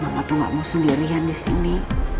mama tuh gak mau sendirian disini